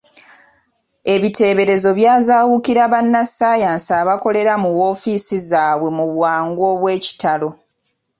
Ebiteeberezo byazaawukira bannassaayansi abakolera mu ofiisi zaabwe mu bwangu obw’ekitalo.